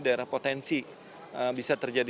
daerah potensi bisa terjadi